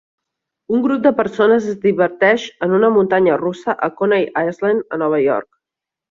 Un grup de persones es diverteix en una muntanya russa a Coney Island, a Nova York.